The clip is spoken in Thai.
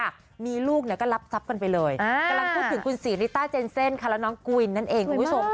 บอกเลยว่าปังโกอินเตอร์มาก